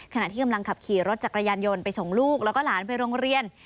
ขณะที่กำลังขับขี่รถจักรยานยนต์ไปส่งลูกแล้วก็หลานไปโรงเรียน